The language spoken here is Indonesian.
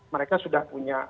mereka sudah punya